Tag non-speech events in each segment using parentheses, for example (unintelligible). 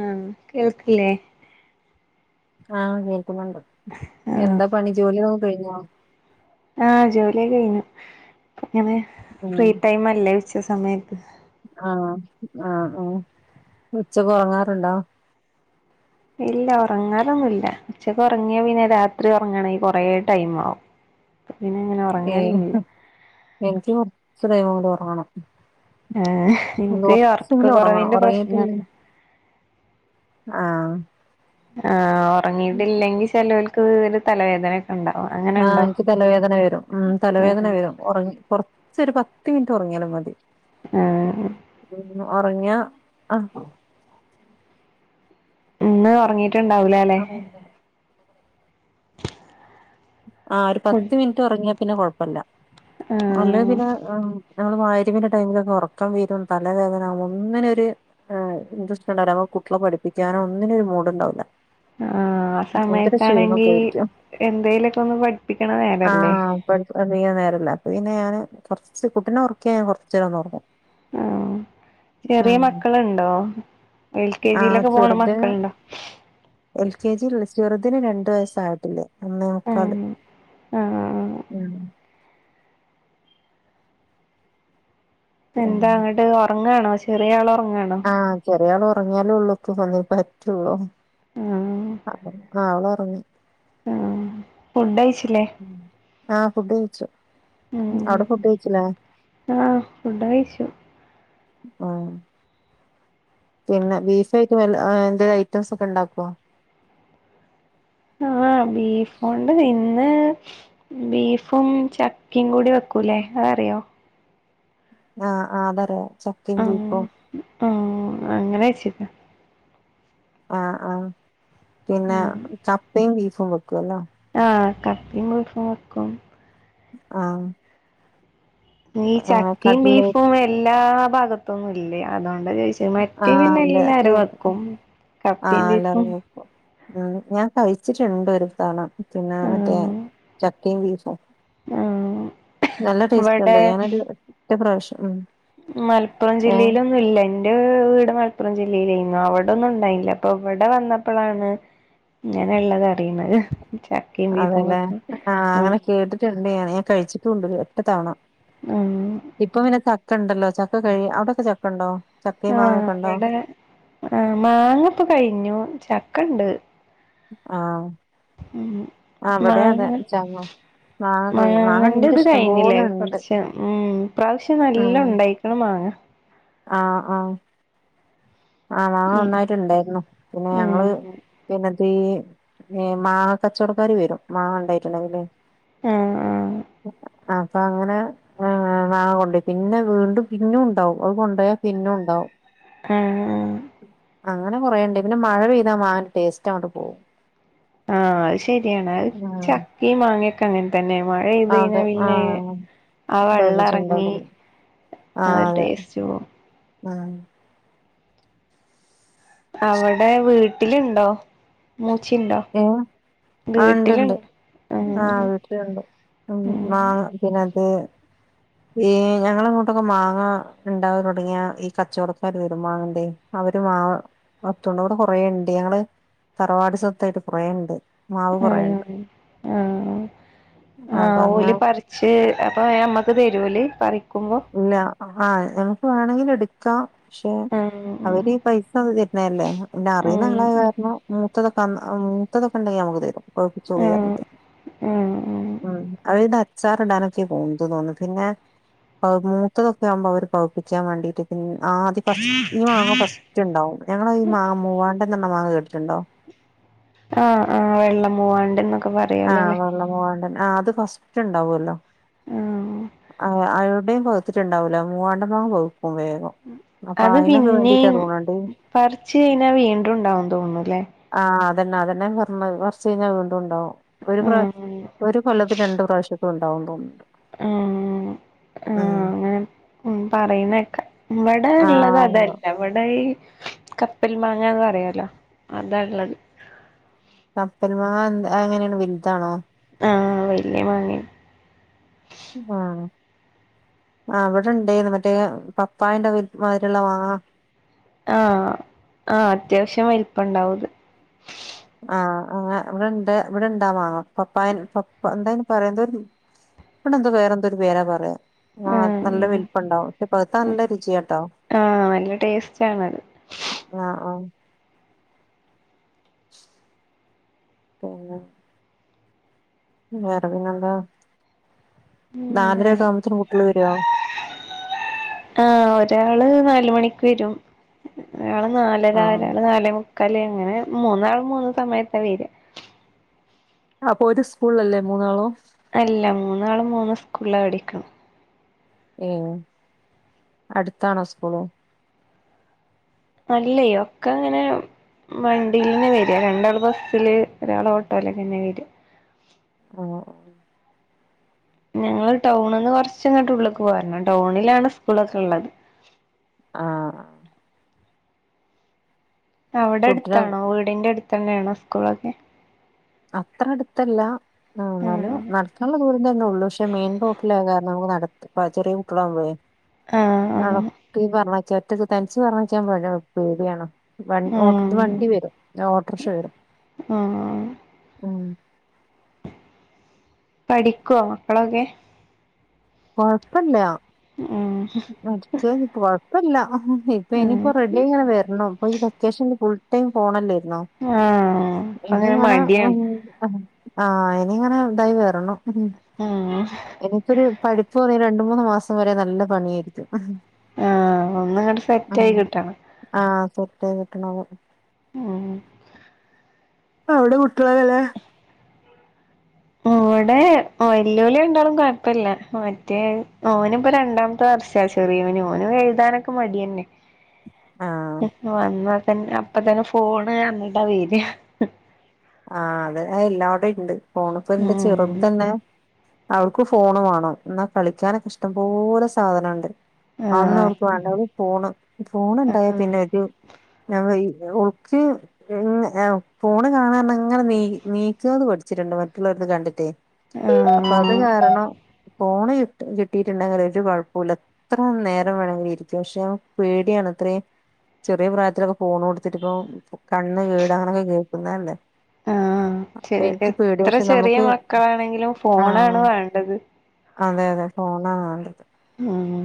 ആഹ് കേൾക്കില്ലേ? ആഹ് കേൾക്കുന്നുണ്ട്. ആഹ് എന്താ പണി? ജോലി ഒക്കെ കഴിഞ്ഞോ? ആഹ് ജോലിയെക്കെ കഴിഞ്ഞു. ഇങ്ങനെ ആഹ് ഫ്രീ ടൈം അല്ലേ ഉച്ച സമയത്ത്. ആഹ് ആഹ് ഉം ഉച്ചക്ക് ഒറങ്ങാറുണ്ടോ? ഇല്ല ഒറങ്ങാനൊന്നു ഇല്ല ഉച്ചക്ക് ഒറങ്ങിയാ പിന്നെ രാത്രി ഒറങ്ങണെ കൊറെ ടൈം മാവും. പിന്നെങ്ങനാ ഏയ് എനിക്ക് കൊർച്ച് ടൈം കൂടി ഒറങ്ങണം. ഏഹ് ഇന്ന് എനിക്ക് ഉറക്ക കൊറ്ച്ചെങ്കിലും ഒറ്ങ്ങണം കുറവിന്റെ ഒറ്ങ്ങീട്ടില്ലെ പ്രശ്നണ്ട് ആഹ് ആഹ് ഒറ്ങ്ങീട്ടില്ലെങ്കിൽ ചെലോൽക്ക് ഒര് തലവേദനൊക്കെണ്ടാവും അ ആഹ് ഇന്ക്ക് തലവേദന വെരും ഉം തലവേദന വെരും. ഒറ്ങ്ങി കൊറ്ച്ചൊര് പത്ത് മിൻറ്റ് ഒറ്ങ്ങ്യാലും മതി. ആഹ് ഉം ഒറ്ങ്ങ്യാ ആഹ് ഇന്ന് ഒറങ്ങീട്ട്ണ്ടാവുലാലേ? ആഹ് ആഹ് ഫുഡ് ഒര്പത്ത് മിൻറ്റ് ഒറ്ങ്ങ്യാ പിന്നെ കൊഴപ്പല്ല അല്ലേ ആഹ് പിന്നെ ഹും ഞങ്ങളെ മഅ് രിബിന്റെ ടൈമിലൊക്കെ ഒറക്കം വെരും തലവേദനാവും ഒന്ന്നൊര് ആഹ് ഇൻട്രസ്റ്റ്ണ്ടാവുല അപ്പൊ കുട്ട്യളെ പഠിപ്പിക്കാനോ ഒന്നിനൊരു മൂഡ്ണ്ടാവുല. ആഹ് അഹ് സമയത്താണെങ്കി ആയിരിക്കും എന്തേലൊക്കൊന്ന് പ ആഹ് പഠ് അധികം നേരല്ല അപ്പ പിന്നെ ഞാൻ കൊർച്ച് കുട്ടിനൊർക്ക്യാ ഞാൻ കൊർച്ചേരൊന്നൊർങ്ങും. ആഹ് ചെറ്യേ മക്കള്ണ്ടോ? എൽ കെ ആഹ് ജിയിലെക്കെ പോണ ചെറുതിന് മക്കള്ണ്ട? എൽ കെ ജിൽള്ള് ചെറ്തിന് രണ്ട് വയസ്സായ്ട്ടില്ല. ഉം ആഹ് ഹാ ഉം എന്താ ആഹ് ങ്ങട്ട് ഒറ്ങ്ങാണോ ചെറ്യേ ആളൊറ്ങ്ങാണോ? ആഹ് ചെറ്യാൾ ഒറ്ങ്ങ്യാലൊള്ളൂ (unintelligible) പറ്റൊള്ളൂ. ആഹ് അപ്പത്ത്ന് ആളൊറ്ങ്ങി. ആഹ് ഫുഡയ്ച്ചിലേ? ആഹ് ഫുഡ് കഴ്ച്ചു. ഉം അവ്ടെ ഫുഡെയ്ച്ചിലേ? ആഹ് ഫുഡ് കഴിച്ചു ആഹ് പിന്നെ ബീഫയ്റ്റ് മെൽ ആഹ് എന്തേ ഐറ്റംസൊക്കെണ്ടാക്കോ? ആഹ് ബീഫോണ്ട് ഇന്ന് ബീഫും ചക്കിം കൂടി വെക്കൂല്ലേ അതറിയോ? ആഹ് ആഹ് അതറ്യാ ചക്കിം ബീഫും. ഉം ഉം അങ്ങനെച്ചെക്കാ ആഹ് ആഹ് പിന്നെ ചപ്പയും ബീഫും വെക്കൊല്ലോ. ആ കപ്പിം ബീഫും വെക്കും ആ നീ ചക്കിം കട്ലേ ബീഫും എ എല്ലാ ഭാഗത്തൊന്നും ഇല്ല്യാ അതോണ്ടാ ചോയ്ച്ചേ മറ്റേ പിന്നെല്ലാരും വെക്കും ആ കപ്പയും ബീഫും എല്ലാരും വെക്കും ഉം ഞാൻ കഴിച്ചിട്ട്ണ്ട് ഒരു തവണ പിന്നാ മറ്റേ ആഹ് ചക്കിം ബീഫും ആഹ് നല്ല ടേസ്റ്റ്ണ്ട് ഇവിടെ ഞാനര് ഒറ്റപ്രാവ്ശ്യം ഉം മൽപ്പുറം ഏഹ് ജില്ലേലൊന്നും ഇല്ലയ്ന് ഇന്റെ വീട് മൽപ്പുറം ജില്ലേലേയ്നു അവടൊന്നു ഇണ്ടായില്ല ഇപ്പൊ ഇവടെ വന്നപ്പളാണ് ഇങ്ങനെള്ളതറീണെ ആണ് ലെ ആ അങ്ങനെ കേട്ട്ട്ട്ണ്ട് ഞാന് ഞാൻ കഴ്ച്ചിട്ടുണ്ട് ഒറ്റ തവണ ഉം ഇപ്പ പിന്നെ ചക്കണ്ടല്ലോ ചക്ക കഴ് അവ്ടൊക്കെ ചക്കണ്ടോ ആ വടെ ആ മാങ്ങപ്പം കഴ്ഞ്ഞു ചക്കണ്ട് ആഹ് ഉം ആഹ് ഇവിടേം അതെ മാങ്ങ ചങ്ങ മാങ്ങ കഴി മാങ്ങ ഇണ്ട് മാങ്ങന്റത് ഇഷ്ടം കഴ്ഞ്ഞിലേ പോലെ ഉണ്ട് കൊർച്ച് ഉം ഇപ്രാവ്ശ്യം നല്ലോണ്ടയ് ക്ക്ണ് മാങ്ങ ആ ആ ആ മാങ്ങ ഉം നന്നായിട്ടുണ്ടായിരുന്നു പിന്നെ ഞങ്ങള് ഉം പിന്നെത്തീ ഏ മാങ്ങ കച്ചോടക്കാര് വരും മാങ്ങ ഉണ്ടായിട്ടുണ്ടങ്കിലേ ആഹ് അപ്പ അങ്ങനെ ഏ ആ മാങ്ങാ കൊണ്ടോയി പിന്നെ വീണ്ടും പിന്നും ഉണ്ടാവും അത് കൊണ്ടയാ പിന്നും ഉണ്ടാവും ഏ അങ്ങനെ കൊറേണ്ട് പിന്നെ മഴ പെയ്താ മാങ്ങന്റെ ടേസ്റ്റ് അങ്ങട്ട് പോവും ആ അത് ശരിയാണ് ഉം ചക്കേം മാങ്ങേക്കെ അങ്ങനെ തന്നെ മഴെയ്ത് കഴിഞ്ഞാ അതെ ആ പിന്നെ ആ വെള്ള എറങ്ങി രുചിണ്ടാകും ആ ഒരു ടേസ്റ്റ് പോവും ആ അവടെ വീട്ടില്ണ്ടോ മൂച്ചിണ്ടോ ഏ ആ ഇണ്ട്ണ്ട് വീട്ടിലുണ്ട് ആ ഉം വീട്ടില്ണ്ട് ഉം മാങ്ങ പിന്ന ത്തേ ഈ ഞങ്ങള അങ്ങോട്ടക്കെ മാങ്ങ ഇണ്ടാവല് തൊടങ്ങിയ ഈ കച്ചവടക്കാര് വരും മാങ്ങണ്ടേ അവര് മാവ് (unintelligible) അവടെ കൊറേണ്ട് ഞങ്ങള് തറവാട് സ്വത്തായിട്ട് കൊറേ ഇണ്ട് ഏ ആ ആ അപ്പൊ അങ്ങനെ ഓല് പറി പക്ഷേ അപ്പ ഞമ്മക്ക് തരുലേ പറിക്കുമ്പോ ഇല്ല ആ ഞമ്മക്ക് വേണെങ്കിലെട് ക്കാ പക്ഷെ ആഹ് അവര് പൈസ തരുന്നല്ലേ പിന്നെ അറിയുന്ന ആഹ് ആളായ കാര്ണം ത്തതൊക്ക അന്ന് മൂത്തതൊക്കെ ഇണ്ടെങ്കി ഞമ്മക്ക് തരും പഴുപ്പിച്ചോളി ആഹ് പർഞ്ഞിട്ട് ആഹ് ഉം അത്പിന്നെ അ ച്ചാറിടാനൊക്കെ പോവുന്നത് തോന്ന്ണ്ട് പിന്നെ ആ മൂത്തതൊക്കെ ആവുമ്പ അവര് പവുപ്പിക്കാൻ വേണ്ടിട്ട് പി ആദ്യ ഫസ്റ്റ് ഈ മാങ്ങ ഫസ് റ്റ്ണ്ടാവും ഞങ്ങളെ ഈ മാങ്ങ മൂവാണ്ടൻ ന്നർഞ മാങ്ങ കേട്ടിട്ടുണ്ടോ ആ ആ വെള്ള മൂവാണ്ടൻന്ന ആ വെള്ളമൂവാണ്ടൻ ആ അത് ഫസ്റ്റ് ഇണ്ടാവല്ലോ ആഹ് ആ അവ്‌ടിം പവ്തിട്ടുണ്ടാവൂല മൂവാണ്ടൻ മാങ്ങാ പവ്ക്കും വേഗം അപ്പ അത് അയ്നൊക്ക വേണ്ടിട്ടാ പിന്നിം തോന്ന്ണ്ട് പറിച്ച് കഴിഞ്ഞാ വീണ്ടുണ്ടാകും തോന്നൂല്ലേ ആഹ് അതന്നെ അതന്നെ പറഞ്ഞത് പറിച്ചഴിഞ്ഞാ വീണ്ടുണ്ടാവും ഒരു പ്രാവ ആഹ് ഒരു കൊല്ലത്ത് രണ്ടു പ്രാവശ്യക്കെ ഉണ്ടാവും തോന്നുന്ന്ണ്ട്. ഹ്മ്മ് ഹ്മ്മ് ഇങ്ങനെ ഹ്മ്മ് പറിന്നേക്കാം ഇവിടെള്ളത് ആഹ് ഉണ്ടാവും അതല്ല ഇവടെ ഈ കപ്പൽ മാങ്ങന്ന് പറയാലോ അതാ ഇള്ളത് കപ്പൽമാങ്ങ എന്ത്‌ അതെങ്ങനെണ് വിത്താണോ ആഹ് വല്യ മാങ്ങേ ആഹ്. ആഹ് ഇവിടെ ഇണ്ടേന്നു മറ്റേ പപ്പായന്റെ വി മാതിരുള്ള മാങ്ങ ആഹ്, ആഹ് അത്യാവിശ്യം വലിപ്പണ്ടാവത്. ആഹ് ആഹ് ഇവടെണ്ട് ഇവടെണ്ടാമാങ്ങ പപ്പായെ പപ്പ്‌ എന്തായിരുന്നു അതിന് പറയ്ണത് ഇവിടെന്തോ വേറെന്തോരു പേരാ പറയാ ആഹ് നല്ല വലിപ്പണ്ടാവും. പക്ഷെ പവ്ത്താ നല്ല രുചിയാട്ടോ (inaudible) ആഹ് നല്ല ടേസ്റ്റാണത് ആഹ് ആഹ് (inaudible) പിന്നെ വേറെ പിന്നെന്താ, നാലരൊക്കാവുമ്പോത്തിന് കുട്ടികള് വരോ ആഹ് ഒരാള് നാല് മണിക്ക് വരും. ഒരാള് നാലര ആഹ് ഒരാള് നാലേമു ക്കാല് അങ്ങനെ മൂന്നാളും മൂന്ന് സമയത്താ വരാ അപ്പൊ ഒര് സ്കൂളിലല്ലേ മൂന്നാളും അല്ല മൂന്നാളും മൂന്ന് സ്കൂളിലാ പഠിക്കാ ഏഹ്, അട്ത്താണോ സ്കൂള് അല്ലെയോ ഒക്കങ്ങനെ വണ്ടീന്ന് വരാ രണ്ടാള് ബസ്സില് ഒരാള് ഓട്ടോലങ്ങനെ വരാ ഹ്മ്മ് ഞങ്ങള് ടൗണ്ന്ന് കൊറച്ച്ങ്ങട്ട് ഉള്ള്ക്ക് പോരണം ടൗണിലാണ് സ്കൂളൊക്കെ ഇള്ളത്. ആഹ്. അവ്ടെ കുട്ടിനെ അട്ത്താണോ വീടിന്റെ അടുത്തന്നെണോ സ്കൂളൊക്കെ അത്ര എടുത്തല്ല ഏഹ് ഇന്നാലും ആഹ് ന ടക്കാളെ ദൂരം തന്നെ ഒള്ളൂ പക്ഷെ മെയിൻ റോഡിലായ കാരണം നട ചെറിയ കുട്ടികളാവുമ്പളേ ആഹ് (unintelligible) തനിച്ച് പറഞ്ഞാച്ചാൻ ഭയങ്കര പേടിയാണ് വൻ ഓട്ട് ഇത് വണ്ടി ആഹ് വരും ഓട്ടർക്ഷ വരും ആഹ്. ഹ്മ്മ് പഠിക്കോ മക്കളൊക്കെ കൊഴപ്പല്ല ഹ്മ്മ്. പഠിച്ചോച്ചാ കൊഴപ്പല്ല ഇപ്പ ഉം ഇനിയിപ്പ റെഡിയായി ഇങ്ങനെ വരണം ഇപ്പ ഈ വെക്കേഷനില് ഫുൾ ഫുൾ ടൈം ഫോണല്ലേയിരുന്നോ ആഹ് അപ്പ അങ്ങനെ ഇനിയാണ് മടിയാണ് (unintelligible) ആഹ് ഇനി ഇങ്ങനെ ഇതായി വരണം ഉം എനിക്കൊരു പഠിച്ചോ പറയാ ഈ രണ്ട് മൂന്ന് മാസം വരെ നല്ല പണിയായിരിക്കും ആഹ് ഒന്ന് ഇങ്ങട്ട് സെറ്റായി ഉം കിട്ടണം ആഹ് സെറ്റായി കിട്ടണം. ആഹ് അവിടെ കുട്ടികളെങ്ങനെ ഓടെ വെല്ലുവിളി ഉണ്ടോളും കുഴപ്പില്ല മറ്റേ ഓനിപ്പൊ രണ്ടാമത്തെ വർഷ ഷാ ചെറിയോൻ ഓൻ എഴുതാനൊക്കെ മടിയന്നെ ആഹ് വന്നാ തന്നെ അപ്പ തന്നെ ഫോണ് എന്നിട്ട വര്യാ ആഹ് അത് എല്ലാടെ ഇണ്ട് ഫോണിപോ എന്റെ ഉം ചെറുതെന്നെ അവൾക്ക് ഫോണ് വാണം എന്നാ കളിക്കാനൊക്കെ ഇഷ്ടപോലെ സാധനണ്ട് അന്നു ആഹ് അവർക്ക് വേണ്ട ഒരു ഫോണ് ഫോണുണ്ടായ ആഹ് പിന്നെ ഒരു ആയിമാരി ഓക്ക് ഈ ഫോൺ കാണാൻ അങ്ങനെ നീ നീക്കുന്നത് പഠിച്ചിട്ടുണ്ട് മറ്റുള്ളവർന്ന് കണ്ടിട്ടേ അപ്പൊ അത് ആഹ് കാരണം ഫോൺ കിട്ടിയിട്ടുണ്ടെങ്കിൽ ഒരു കുഴപ്പുല്ല എത്ര നേരം വേണമെങ്കിൽ ഇരിക്കും പക്ഷെ പേടിയാണ് ഇത്രയും ചെറിയ പ്രായത്തിലൊക്കെ ഫോൺ കൊടുത്തിട്ട ഇപ്പപ്പോ കണ്ണ് കേട് അങ്ങനൊക്കെ കേൾക്കുന്നല്ലേ ആഹ് എത്ര പക്ഷെ ചെറിയ നമുക്ക് മക്കളാണെങ്കിലും ആ ഫോണാണ് വേണ്ടത് അതെ അതെ ഫോണാ വേണ്ടത് ഉം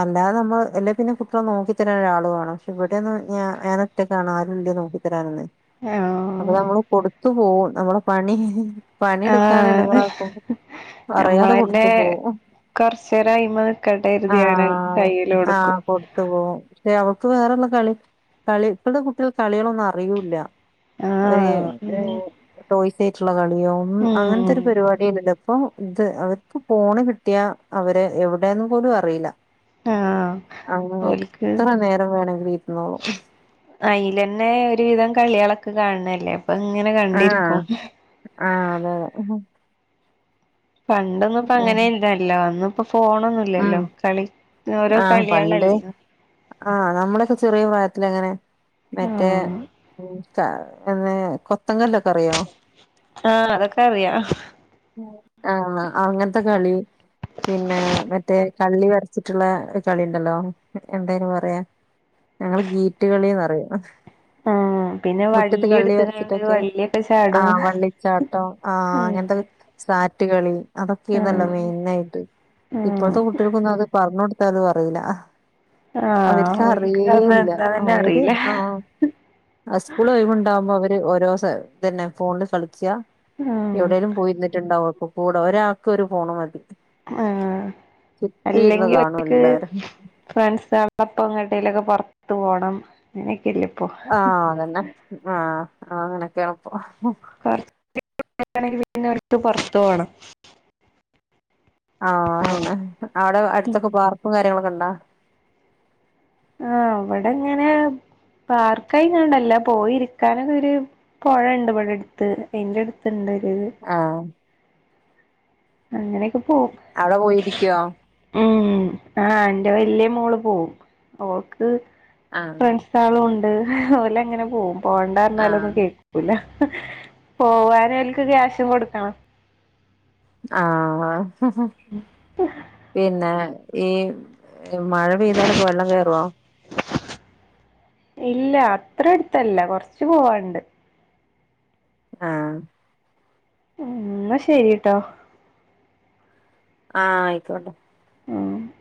അല്ലാതെ നമ്മള് അല്ല പിന്നെ കുട്ടിയേളെ നോക്കിത്തരൻ ഒരാളു വേണം പക്ഷെ ഇവിടെയന്ന് പറഞ്ഞ ഏ മറ്റേ കാണാൻ ആരൂല്യ നോക്കി തരാന് ആഹ് അപ്പൊ നമ്മള് കൊടുത്തു പോവും നമ്മള പണി പണിയെടുക്കാന ഇടുങ്ങ ആഹ് ആക്കു അറിയാതെ കൊടുത്തു പോകും കൊറച്ചര അയിമേ നിൽക്കട്ടെ കരുതി അങ്ങനെ കൈയിൽ കൊടുക്കും ഓ ക്ഷെ അവക്ക് വേറുള്ള കളി കളി ഇപ്പോ കുട്ടികൾ കളികളൊന്നും അറിയൂല്ല ഒരു ആഹ് ടോയ്സയിട്ടുള്ള കളിയും അങ്ങനത്തെ ഉം ഒരു പരിപാടില്ലാ അപ്പൊ ഇത് അവർക്ക് ഫോണ് കിട്ടിയാ അവര് എവിടെന്ന് പോലും അറിയില്ല ആഹ് അങ്ങനെ ഓൽക്ക് എത്ര നേരം വേണമെങ്കിലും ഇരുന്നോളും അയിൽന്നെ ഒരുവിധം കളികളക്ക് കാണണല്ലേ അപ്പൊ ഇങ്ങനെ ആഹ് കണ്ടിരിക്കും ആഹ് അതെ അതെ പണ്ടൊന്നും ഇപ്പ ഉം അങ്ങനെ ഇല്ലെലോ ഇന്ന് ഇപ്പ ഫോണൊന്നു ഉം ല്ലല്ലോ കളി ഓരോ ആഹ് പണ്ട് കളിയളല്ലേ ആഹ് നമ്മളൊയൊക്കെ ചെറിയ പ്രായത്തില് അങ്ങനെ മറ്റേ ആഹ് എന്ന കൊത്തങ്കല്ലൊക്കെ അറിയോ ആ അതക്കെ അറിയാ ആഹ് അങ്ങനത്തെ കളി പിന്നെ മറ്റേ കള്ളി വരച്ചിട്ടുള്ള ഒരു കളി ഉണ്ടല്ലോ എന്താ അയിന് പറയാ ഞങ്ങള് ഗീറ്റുകളിന്ന് പറയു ആഹ് പിന്നെ മുറ്റത്ത് വള്ളി കള്ളി എടുത്ത്കാണ്ട് വരച്ചിട്ടൊക്കെ വള്ളിയൊക്കെ ആ ചാടും വള്ളിച്ചാട്ടം ആ ഉം അങ്ങനത്തെ സാറ്റ് കളി അതൊക്കെയായിരുന്നല്ലോ ആഹ് മെയിൻ ആയിട്ട് ആഹ് ഇപ്പോഴ്ത്തെ കുട്ടികൾക്കൊന്നും അത് പറഞ് കൊടുത്താലും അറിയൂല്ല ആഹ് അവര്ക്ക് ഓൽക്ക് അതൊന്നും അറിയേല്ല എന്താന്നന്നെ അവര് അറിയില്ല ആഹ അസ്കൂള് ഒഴിവുണ്ടാമ്പോ അവര് ഓരോ തന്നെ ഫോണിൽ കളിക്ക ആഹ് എവിടെലും പോയിരുന്നിട്ടുണ്ടാവും ഒക്കെ കൂടെ ഒരാൾക്ക് ഒരു ഫോണ് മതി ആ ചുറ്റും ഇരുന്ന് അല്ലെങ്കിൽ കാണും ഒറ്റക്ക് എല്ലാരും ഫ്രണ്ട്സ്ള്ളപ്പങ്ങട്ടലൊക്കെ പൊറത്തു പോണം അങ്ങനെയൊക്കെ അല്ലെ ഇപ്പോ ആ അതന്നെ ആ അങ്ങനെയൊക്കെയണപ്പം (unintelligible) ണെങ്കില് പിന്നെ അടുത്ത് പൊറത്തു പോണം ആ അതെന്നെ അവടെ അട്ത്തൊക്കെ പാർക്കും കാര്യങ്ങളൊക്കെണ്ടോ ആ ഇവടെങ്ങനെ പാർക്കായിങ്ങണ്ടല്ല പോയി ഇരിക്കാനൊക്കൊര് പൊഴണ്ട് ഇവടെ അട്ത്ത് അയിന്റടുത്ത്ണ്ട് ഒരിത് ആഹ് അങ്ങനൊക്കെ പോവും അവടെ പോയിരിക്കോ ഉം ആ ന്റെ വെല്ല്യ മോള് പോവും ഓക്ക് ആഹ് ഫ്രണ്ട്സ് സാളുണ്ട് ഓലങ്ങനെ പോകും പോണ്ടാ പറഞ്ഞാലൊന്നും ആഹ് കേക്കൂ ക്കൂല പോവാനോൽക്ക് ക്യാഷും കൊടുക്കണം ആഹ പിന്നെ ഈ മഴ പെയ്താലൊക്കെ വെള്ളം കേറോ ഇല്ല അത്രെട്ത്തല്ല കൊർച്ച് പോവാണ്ട് ആഹ് ഉം ന്നാ ശെരിട്ടോ ആ അയ്ക്കോട്ടെ ഉം